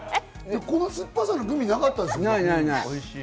こんな酸っぱさのグミなかったですよね？